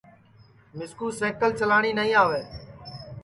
مِسکُو سئکل چلاٹؔی نائی آوے